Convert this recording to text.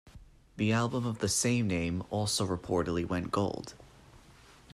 The album of the same name also reportedly went gold.